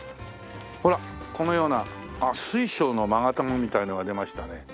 ほらこのような水晶の勾玉みたいなのが出ましたね。